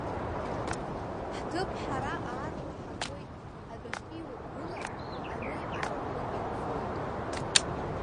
Ҳҭыԥ ҳара аарла ҳакуеит, адәахьы иургылар, алеи арахәи ирфоит.